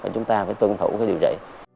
chúng ta phải tuân thủ cái điều trị